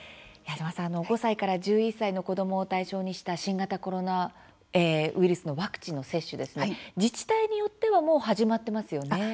矢島さん、５歳から１１歳の子どもを対象にした新型コロナウイルスのワクチンの接種ですが自治体によってはもう始まっていますよね。